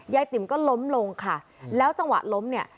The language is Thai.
ติ๋มก็ล้มลงค่ะแล้วจังหวะล้มเนี่ย